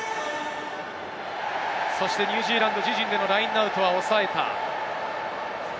ニュージーランド、自陣でのラインアウトは抑えた。